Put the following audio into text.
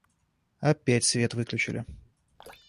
Опять свет выключили.